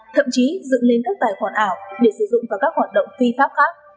thậm chí dựng lên các tài khoản ảo để sử dụng vào các hoạt động phi pháp khác